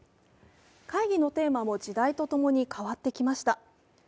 会議のテーマも時代とともに変わってきました。